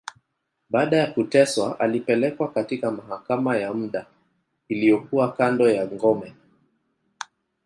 Baada ya kuteswa, alipelekwa katika mahakama ya muda, iliyokuwa kando ya ngome.